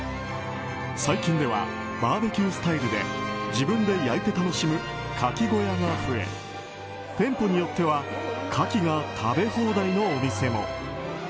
最近ではバーベキュースタイルで自分で焼いて楽しむかき小屋が増え店舗によってはかきが食べ放題のお店も。